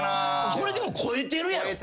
これ超えてるやろ。